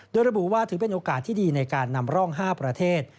โดยระบุว่าถือเป็นโอกาสที่ดีในการนำร่อง๕ประเทศ